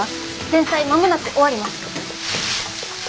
前菜間もなく終わります。